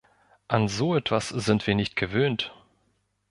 An so etwas sind wir nicht gewöhnt.